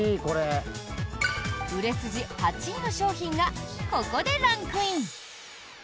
売れ筋８位の商品がここでランクイン！